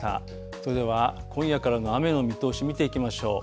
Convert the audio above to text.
それでは今夜からの雨の見通し、見ていきましょう。